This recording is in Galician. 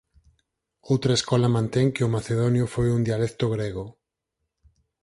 Outra escola mantén que o macedonio foi un dialecto grego.